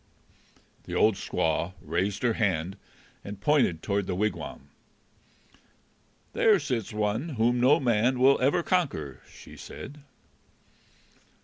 The old squaw raised her hand and pointed toward the wigwam. "There sits one whom no man will ever conquer!" she said.